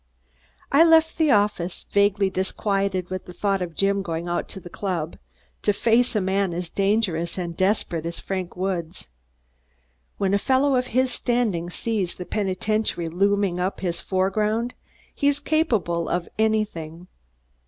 I left the office, vaguely disquieted with the thought of Jim going out to the club to face a man as dangerous and desperate as Frank Woods. When a fellow of his standing sees the penitentiary looming up in his foreground he's capable of anything.